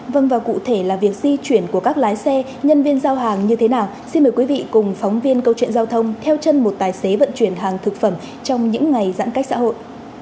vâng và cụ thể là việc di chuyển của các lái xe nhân viên giao hàng như thế nào xin mời quý vị cùng phóng viên câu chuyện giao thông theo chân một tài xế vận chuyển hàng thực phẩm trong những ngày giãn cách xã hội